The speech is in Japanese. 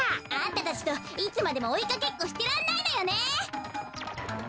あんたたちといつまでもおいかけっこしてらんないのよね。